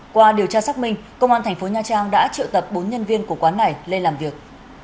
qua điều tra xác minh công an thành phố nha trang đã triệu tập bốn nhân viên của quán này lên làm việc